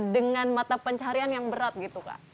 dengan mata pencarian yang berat gitu kak